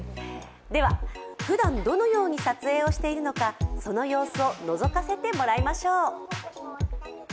では、ふだんどのように撮影しているのかその様子をのぞかせてもらいましょう。